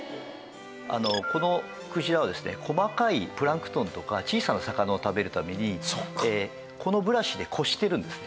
このクジラはですね細かいプランクトンとか小さな魚を食べるためにこのブラシでこしてるんですね。